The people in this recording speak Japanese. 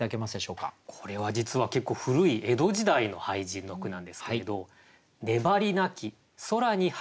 これは実は結構古い江戸時代の俳人の句なんですけれど。